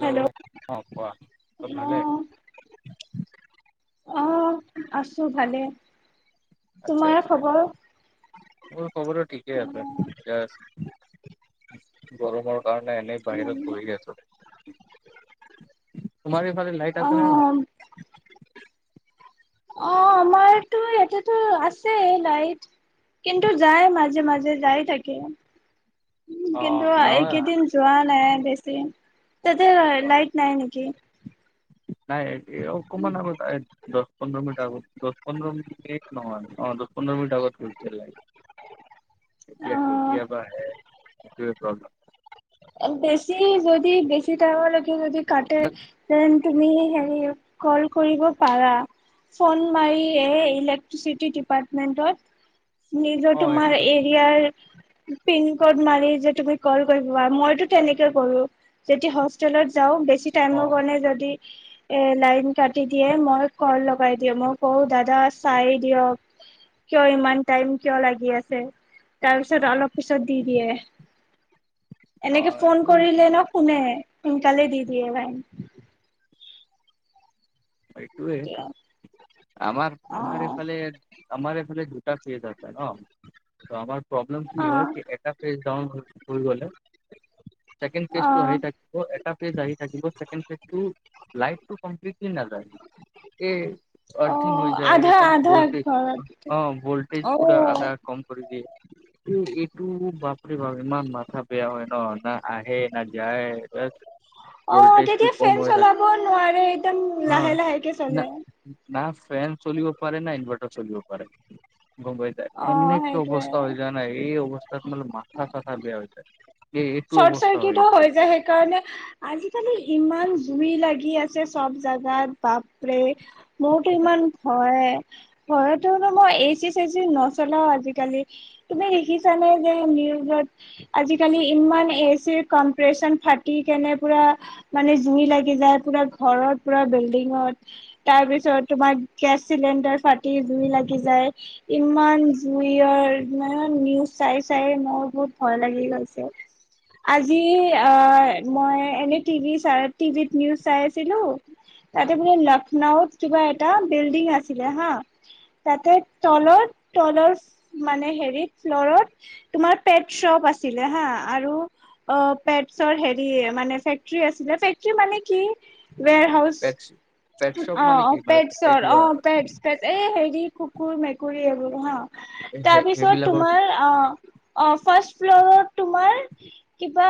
Hello অ কোৱা চব হেল্ল' অ ভালে অ আছো ভালে আচ্ছা তোমাৰ আচ্ছা খবৰ? মোৰ খবৰো ঠিকেই আছে অ', য গৰমৰ কাৰণে এনেই বাহিৰত বহি আছো তোমাৰ সেইফালে লাইট আছে নে নাই অ', অ আমাৰতো ইয়াতেতো আছে লাইট কিন্তু যাই মাজে মাজে যাই থাকে অ কিন্তু নহয় এইকেইদিন যোৱা নাই বেছি ততে অ লাইট নাই নেকি নাই অকমান আগত আহিছে দশ পোন্ধৰ মিনিট আগত দছ পোন্ধৰ মিনিট নহয় অ দহ পোন্ধৰ মিনিট আগত ফছে লাইট [unintelligible] এতিয়া অ', কেতিয়াবা হে সেইটোৱে প্ৰব্লেম বেছি যদি বেছি টাইম লৈকে যদি কাটে যেন তুমি হেৰি কল কৰিব পাৰা ফোন মাৰি এ ইলেক্ট্ৰিচিটি ডিপাৰ্টমেন্টত নিজৰ অ তোমাৰ এইটো এৰিয়াৰ মাৰি যে তুমি কল মইতো তেনেকে কৰো যেতিয়া হছতেলত যাওঁ বেছি টাইম অ কাৰণে যদি এ লাইন কাটি দিয়ে মই কল লগাই দিওঁ মই কওঁ দাদা চাই দিয়ক কিয় ইমান টাইম কিয় লাগি আছে তাৰ পিছত অলপ পিছত দি দিয়ে অ এনেকে ফোন এইটো কৰিলে ন শুনে সোনকালে দি দিয়ে ভাই এইটোৱে আমাৰ অ আমাৰ এইফালে আমাৰ এইফালে দুটা ফেজ আছে ন আমাৰ প্ৰব্লেম কি অ হয় এটা পেজ ডাউন হৈ গলে [inaudible] কি ন অ এই অ আৰ্থিং হৈ যায় আধা একদম আধা ভল্টেজ ঘৰত। অ ভোল্টেজ পুৰা অ আধা কম কৰি দিয়ে এইটো বাপৰে বাপ ইমান বাপ ক বেয়া হয় ন না আহে না যায় ভল্টেজ টো কম হৈ থাকে নোৱাৰি হয় না না ফেন চলিব পাৰে না ইনভাৰ্টাৰ চলিব পাৰে গম্বাইত অ এনেকে অৱস্থা সেইটোয়ে হৈ যায় নাই এই অৱস্থাত মানে মাথা চাথা বেয়া হৈ যায়। এই এইটো চৰ্ট অৱস্থা চাৰ্কিতো হৈ আছে যায় সেইকাৰণে আজিকালি ইমান জুই লাগি আছে চব জাগাত বাপৰে মোৰতো ইমান ভয়, ভয়তোনো মই এচি চেচি নচলাও আজিকালি। তুমি দেখিছানে যে নিউজত আজিকালি ইমান এচিৰ কমপ্ৰেচন ফাটি কেনে পুৰা মানে জুই লাগি যায়, পুৰা ঘৰত পুৰা বিল্ডিঙত তাৰ পিছত তোমাৰ গেছ চিলিণ্ডাৰ ফাটি জুই লাগি যায় ইমান জুইয়ৰ মানে নিউজ চাই চায়ে মোৰ বহুত ভয় লাগি গৈছ ছে। আজি আ মই এনে টিভি চাই টিভিত নিউজ চাই আছিলো তাতে বোলে লক্ষ্ণৌত কিবা এটা বিল্ডিং আছিলে হা। তাতে তলত তলৰ মানে হেৰিত ফ্লৰত তোমাৰ পেট চ'প আছিলে হা আৰু অ পেটচৰ হেৰি মানে ফেকট্ৰি আছিলে। ফেকট্ৰি মানে কি ওৱেৰহাউছ পেটছ পেটশ্বপ অ মানে কি অ' মানে তাতে পেটছৰ কিবা অ' পেটছ। ত এই হেৰি কুকুৰ - মেকুৰী এইবোৰ হা, আৰু মানে সে- তাৰপিছত সেইবিলাকৰ কি তোমাৰ আ অ ফাৰ্ষ ফ্লৰত তোমাৰ কিবা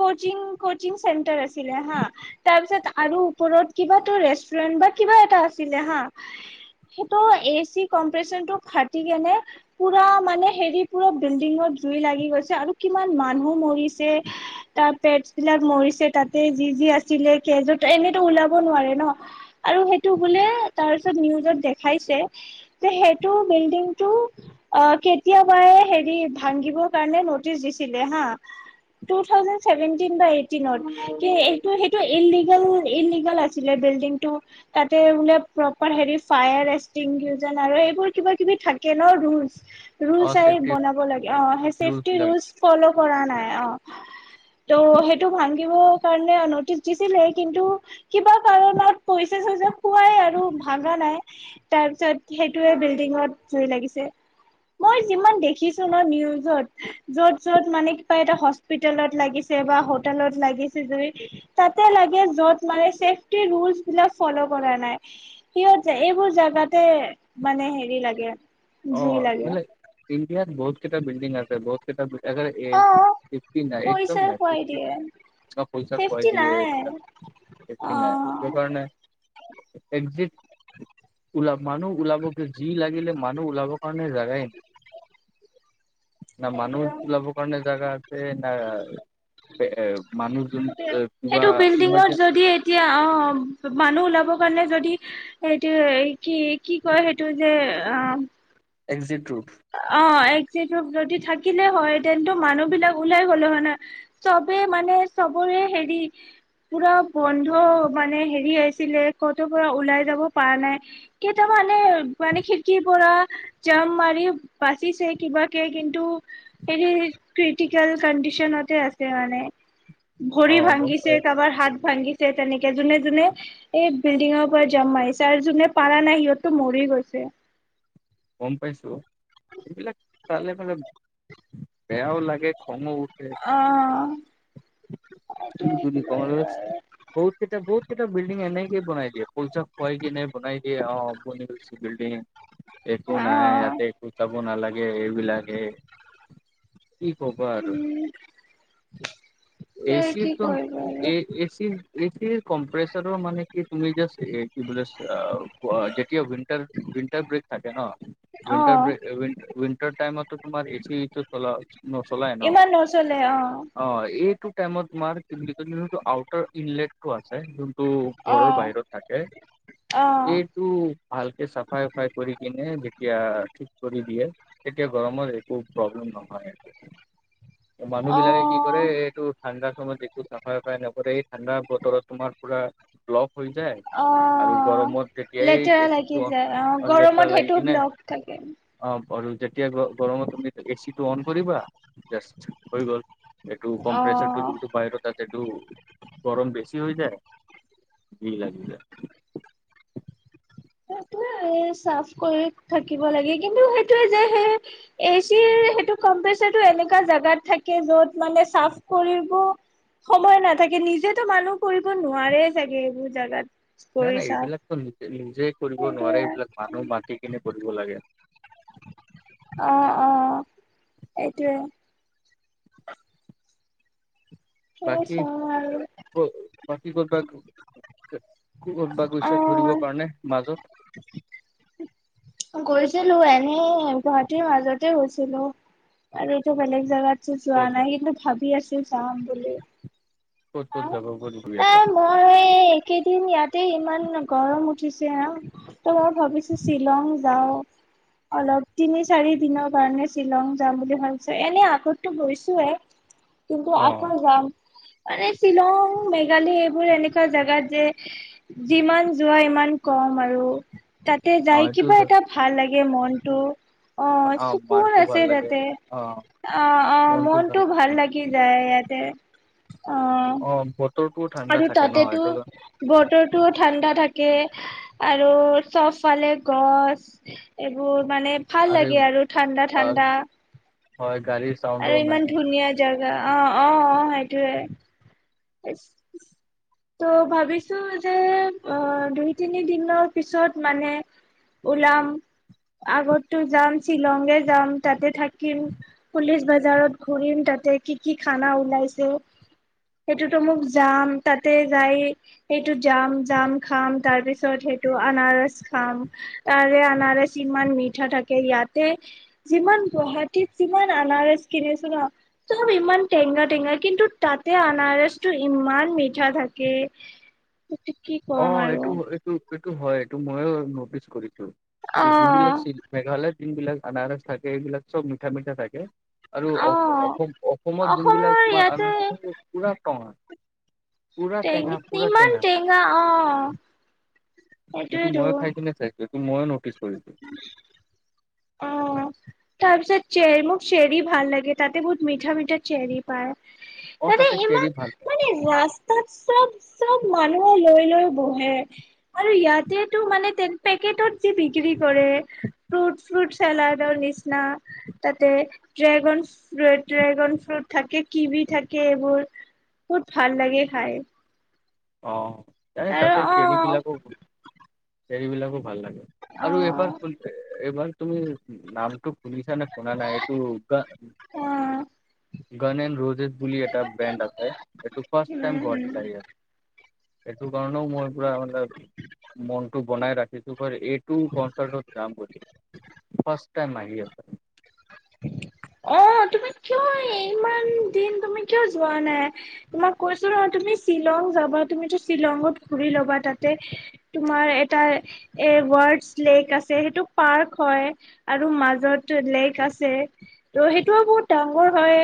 কচিং - কচিং চেণ্টাৰ আছিলে হা তাৰ পিছত আৰু ওপৰত কিবাটো ৰেষ্টুৰেন্ট বা কিবা এটা আছিলে হা সেইটো এচি কম্প্ৰেচনটু ফাটি কেনে পুৰা মানে হেৰি পুৰা বিল্ডিঙত জুই লাগি গৈছে আৰু কিমান মানহ মৰিছে তাৰ পেটচবিলাক মৰিছে তাতে যি যি আছিলে কেজত ত এনেতো ওলাব নোৱাৰে ন' আৰু সেইটো বুলে তাৰ পিছত নিউজত দেখাইছে যে সেইটো বিল্ডিংটো আ কেতিয়াবায়ে হেৰি ভাংগিব কাৰণে ন টিচ দিছিলে হা টু থাউজেণ্ড চেভেনটিন বা এইটটিনত, কি এইটো সেইটো ইললিগেল ইললিগেল আছ ছিলে বিল্ডিংটো তাতে বোলে প্ৰ'পাৰ হেৰি ফায়াৰ এক্মটিংগুইজন আৰু এইবোৰ কিবা কিবি থাকে ন' ৰুলছ ৰুল অ চাই চেফটি বনাব লাগে অ' হেচে [inaudible] [unintelligible] ফল' কৰা নাই অ'। ত' সেইটো ভাংগিব কাৰণে ন'টিচ দিছিলে কিন্তু কিবা কাৰণত পইছা - চইছা খোৱাই আৰু ভাংগা নাই। তাৰ পিছত সেইটোয়ে বিল্ডিঙত জুই লাগিছে। মই যিমান দেখিছো ন' নিউজত য'ত য'ত মানে কিবা এটা হস্পিতেলত লাগিছে বা হোটেলত লাগিছে যদি তাতে লাগে য'ত মানে ছেফটি ৰুলচবিলাক ফ'ল' কৰা নাই। কিয়যে এইবোৰ জাগাতে মানে হেৰি লাগে জুই অ' লাগে মানে ইণ্ডিয়াত বহুত কেটা বিল্ডিং আছে। বহুত কেটা বিল আগাৰ এ অ ফিফটিন নাই একদম পইচা নাই খুৱাই ফিফটি দিয়ে সব পইচা খুৱাই চেফটি দিয়ে, নাই অ একি নাই ক সেইকাৰণে একজেক ওলা মানুহ ওলাব কিয়? যি লাগিলে মানু নুহ ওলাব কাৰণে জাগাই না মানুহ সেইটোৱে ওলাবৰ কাৰণে জাগা আছে, না [unintelligible] মানুহজন সেইটোৱে এ কিবা সেইটো বিল্ডিঙত ইমাৰজেন যদি এতিয়া অ', মা মানুহ ওলাবৰ কাৰণে যদি সেইটোয়ে, কি কি কয় সেইটো যে আম এগ্জিট ৰুট অ' এজ্বিট ৰুপ যদি থাকিলে হয় তেন্তু মানুহ বিলাক ওলাই গলে হয় ন'? চবে মানে চবৰে হেৰি পুৰা বন্ধ' মানে হেৰি আছিলে, ক'ত' পৰা ওলাই যাব পাৰা নাই। কেইটাবা এনে মানে খিৰিকীৰ পৰা জাম মাৰি বাচিছে কিবাকে কিন্তু এ ক্ৰিটিকেল কণ্ডিশনতে আছে মানে। অ ভৰি গম ভাঙিছে পাই কাৰোবাৰ হাত ভাঙিছে তেনেকে যোনে যোনে এই বিল্ডিঙৰ পৰা জাম মাৰিছে আৰু যোনে পাৰা নাই সিহঁতটো মৰি গৈছে। গম পাইছো এইবিলাক তালে মালে বেয়াও লাগে খং উঠে। অঁ [unintelligible] কৰিবা আৰু বহু কেইটা বহুত কেইটা বিল্ডিং এনেকে বনাই দিয়ে, পোলচ খুৱাই কি এনে বনাই দিয়ে। অ বিল্ডিং একো নাই অ', ইয়াতে একো চাব নালাগে। ইয়াতে একো যাব নালাগে। কি ক'বা আৰু। উম, তে কি কৰিবা এচিৰ আৰু এ এচিৰ এচিৰ কম্প্ৰেসৰ মানে কি তুমি যাজ এ কি বুলেট আ কোৱা যেতিয়া ইন্টাৰেষ্ট থাকে ন'? উইণ্টাৰ অ', ব্ৰেক উই উইন্টাৰ টাইমতো তোমাৰ এচিটো চলা নচলাই ন? চলে অ' অ এইটো টাইমত তোমাৰ কি আউটাৰ ইনটটো আছে যোনটো ঘৰৰ অ', বাহিৰত থাকে। অ', এই টো ভালকে চাফাই চফাই কৰি কিনে যেতিয়া ঠিক কৰি দিয়ে। এতিয়া গৰমৰ একো প্ৰব্লেম নহয়। [inaudible] মানুহ বিলাকে কি কৰে অ', এইটো ঠাণ্ডা সময়ত যো চাফাই চফাই নকৰে, এই ঠাণ্ডা বতৰত তোমাৰ পুৰা ব্লক হৈ যায় আৰু অ', গৰমত লেতেৰা যেতিয়াই লাগি এচিটো যায় অ', গৰমত লেতেৰা লাগি সেইটো কিনে ব্লক থাকে অ আৰু যেতিয়া গৰমত তুমি এ চি টো অন কৰিবা জাষ্ট হৈ গ'ল। এইটো কম্প্ৰেচৰ টো অ', যিটো বাহিৰত তাতেটো গৰম বেছি হৈ যায়। ভিৰ লাগি যায়। সেইটোয়ে চাফ কৰি থাকিব লাগে। কিন্তু সেইটোয়ে যে সেই এ চিৰ সেইটো কম্পচাৰটো এনেকুৱা জাগাত থাকে, যত মানে চাফ কৰিব সময় নাথাকে। নিজেতো মানুহ কৰিব নোৱাৰে চাগে এইবোৰ জাগাত নাই কৰি নাই চাফ এইবিলাকতো নিজে নিজে কৰিব নোৱাৰে। এইবিলাক সেইটোয়ে মানুহ মাতি কিনে কৰিব লাগে। অ অ। এইটোয়ে। বাকী [unintelligible] বাকী কৰ'বা, কৰবা গৈছে ঘৰিবৰ অ', কাৰণে মাজত গৈছিলো এনেই গুৱাহাটীৰ মাজতে গৈছিলো আৰু এইটো বেলেগ জেগাত যোৱা ক'ত নাই। কিন্তু ভাবি আছো চাম বুলি। ক'ত কত যাব [unintelligible] আৰু এই এইকেইদিন ইয়াতে ইমান গৰম উঠিছে। আহ ত মই ভাবিছো শ্বিলং যাওঁ। অলপ তিনি চাৰি দিনৰ কাৰণে শ্বিলং যাম বুলি ভাবিছো। এনে আগতো গৈছোয়ে। কিন্তু আকৌ অ যাম। হয় নে? শ্বিলং, মেঘালয় এইবোৰ এনেকুৱা জেগাত যে যিমান যোৱা ইমান কম আৰু তাতে যাই অ এইটো কিবা এটা ভাল লাগে মনটো। অঁ, অ সুকুন মাৰটো আছে ভাল লাগে তাতে। অ অঁ, অঁ মনটো ভাল লাগি যায় ইয়াতে। অঁ। অঁ, বতৰটো ঠাণ্ডা থাকে ন 'সেইটো? বতৰটো ঠাণ্ডা থাকে আৰু চবফালে গছ। এইবোৰ মানে ভাল লাগে আৰু ঠাণ্ডা ঠাণ্ডা হয় গাড়ীৰ চাউণ্ডো আৰু নাই ইমান ধুনীয়া জাগা অঁ, অঁ, অঁ সেইটোৱে। আইস, ইচ্। ত' ভাবিছো যে আঁ দুই, তিনি দিনৰ পিছত মানে ওলাম, আগতো যাম শ্বিলঙে যাম তাতে থাকিম। পুলিচ বজাৰত ঘুৰিম। তাতে কি কি খানা ওলাইছে সেইটোতো মোক যাম তাতে যাই সেইটো যাম, জাম খাম তাৰপিছত সেইটো আনাৰস খাম। তাৰে অনাৰস ইমান মিঠা থাকে। ইয়াতে যিমান গুৱাহাটীত, যিমান আনাৰস কিনিছো ন' চব ইমান টেঙা টেঙা কিন্তু তাতে আ নাৰসটো ইমান মিঠা থাকে। এইটো কি ক'ম অঁ, আৰু এইটো, এইটো এইটো হয়। এইটো মইও নটিচ কৰিছোঁ। অ এই যোন বিলাক চে মেঘালয়ত যোনবিলাক আনাৰস থাকে এইবিলাক চব মিঠা মিঠা থাকে। আৰু অ অস- অস- অসমত যোনবিলাক অসমৰ তোমাৰ ইয়াতে আনাৰস আছে সেইবোৰ পুৰা টেঙা। পূৰা টেঙা, পুৰা টেঙা। পুৰা অঁ। এইটো মই খাই কিনে চাইছোঁ। এইটো মইও নটিচ কৰিছোঁ। [inaudible] অঁ, তাৰপিছত চেৰী মোক চেৰী ভাল লাগে। তাতে বহুত মিঠা মিঠা চেৰী পায়। অ তাতে চেৰি ইমান ভাল পায় মানে নাচ তাত চব চব মানুহে লৈ লৈ বহে আৰু ইয়াতেটো মানে তেনে পেকটত যে বিক্ৰী কৰে ফ্ৰুট ফ্ৰুট চালাডৰ নিচিনা তাতে ড্ৰেগন ফ্ৰ ড্ৰেগন ফ্ৰুট থাকে, কিবি থাকে এইবোৰ বহুত ভাল লাগে খাই। অঁ, এই আৰু তাতে অ চেৰীবিলাকো চেৰীবিলাকো ভাল লাগে অ আৰু এবাৰ এইবাৰ তুমি উম নামটো শুনিছা নে শুনা নাই? এইটো গ অ গানেন ৰোজেছ বুলি এটা ব্ৰেণ্ড আছে। এইটো ফাৰ্ষ্ট উম টাইম হম গুৱাহাটীত আহি আছে। এইটো কাৰণেও মই পুৰা মানে মনটো বনাই ৰাখিছোঁ। বৰ--এইটো বছৰত যাম বুলি। ফাৰ্ষ্ট টাইম আহি আছে। অঁ, তুমি কিয়, ইমান দিন তুমি কিয় যোৱা নাই? তোমাক কৈছো নহয়, তুমি শ্বিলং যাবা। তুমিতো শ্বিলঙত ঘুৰি ল'বা তাতে তোমাৰ এটাই এ ৱৰ্ডছ লেক্ আছে সেইটো পাৰ্ক হয় আৰু মাজতো লেক্ ঠিক আছে ত' সেইটোও বহুত ডাঙৰ হয়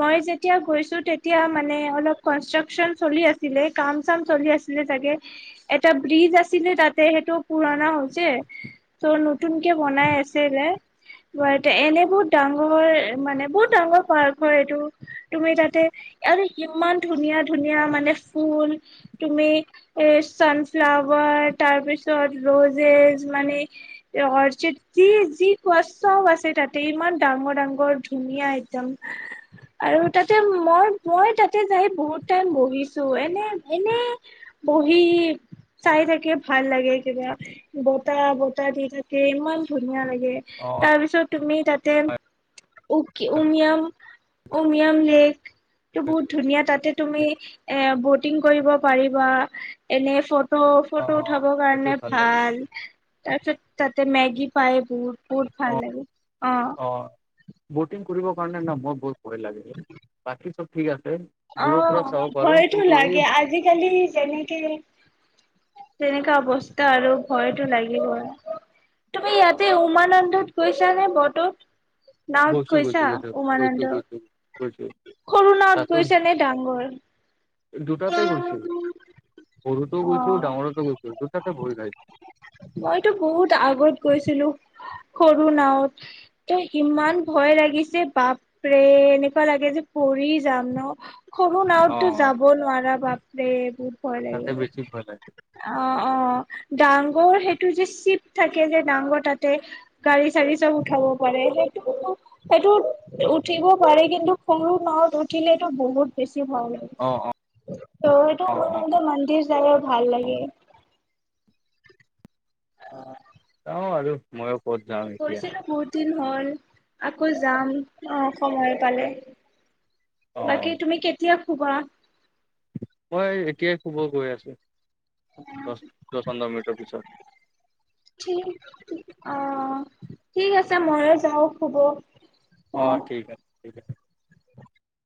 মই যেতিয়া গৈছো তেতিয়া মানে অলপ কন্সট্ৰাকচন চলি আছিলে কাম চাম চলি আছিলে আছিলে চাগে এটা ব্ৰিজ আছিলে তাতে সেইটো পুৰণা হৈছে ত' নতুনকে বনাই আছিলে বাত তে এনেবোৰ ডাঙৰ মানে বহুত ডাঙৰ পাৰ্ক হয় এইটো তুমি তাতে আৰু ইমান ধুনীয়া ধুনীয়া মানে ফুল তুমি এ চানফ্লাৱাৰ তাৰপিছত ৰোজেছ মানে এ অৰ্চিড যি যি কোৱা চব আছে তাতে ইমান ডাঙৰ ডাঙৰ ধুনীয়া একদম আৰু তাতে মই মই তাতে যাই বহুত টাইম বহিছো এনে এনে বহি চাই থাকি ভাল লাগে কিবা বতাহ বতাহ দি থাকে ইমান ধুনীয়া লাগে অ তাৰপিছত তুমি তাতে অ', উ উমিয়াম উমিয়াম লেক টো বহুত ধুনীয়া তাতে তুমি এ ব'টিং কৰিব পাৰিবা এনে ফ ফটো ফটো অ', উঠাবৰ সেইটো কাৰণে লাগে ভাল তাৰপিছত তাতে মেগী পায় বহুতো। বহুত অ ভাল লাগে অ অ' ব'টিং কৰিবৰ কাৰণে ন মোৰ বহুত ভয় লাগে বাকী চ'ব ঠিক আছে। দূৰৰ পৰা অ' চাব পাৰো ভয়তো কিন্তু এই লাগে আজিকালি যেনে কে তেনেকুৱা অৱস্থা আৰু ভয়টো লাগিবই। তুমি ইয়াতে উমানন্দত গৈছা নে ব'তত। গৈছো গৈছো গৈছো গৈছো গৈছো গৈছো সৰু নাৱত তাতো গৈছে নে ডাঙৰ দুটাতে গৈছো সৰুতোও গৈছো অ', ডাঙৰতো গৈছো দুটাতে ভয় লাগে মইতো বহুত আগত গৈছিলো সৰু নাৱত। ত' ইমান ভয় লাগিছে বা বাপৰে এনেকুৱা লাগে যে পৰি যাম ন সৰু অ নাওতো অ', যাব নোৱাৰা বাপৰে ভয় তাতে লাগে। বেছি ভয় লাগে অ অ ডাঙৰ সেইটো যে চিপ থাকে যে ডাঙৰ তাতে গাড়ী চাৰী চব উঠাব পাৰে সেইটো অকল সেইটো উঠিব পাৰে কিন্তু সৰু নাওত উঠিলেটো বহুত বেছি ভাল লাগে। অ' অ ত' সেইটো অঁ অঁ উমানন্দ অঁ মন্দিৰ যাইয়ে ভাল অঁ লাগে। [unintelligible] অ' আৰু মই ক'ত যাওঁ এতিয়া। গৈছিলো বহুত দিন হ'ল আকৌ' যাম অ সময় পালে। বাকী অঁ তুমি কেতিয়া শুবা। মই এতিয়াই শুব গৈ আছো দচ দচ পোন্ধৰ মিনিটৰ পিছত। ঠি ঠি অ' ঠিক আছে মইয়ো যাওঁ শুব অ ঠিক আছে ঠিক আছে।